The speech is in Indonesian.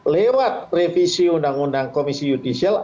lewat revisi undang undang komisi yudisial